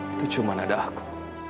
itu cuma ada aku